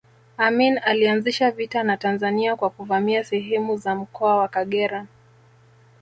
Amin alianzisha vita na Tanzania kwa kuvamia sehemu za mkoa wa Kagera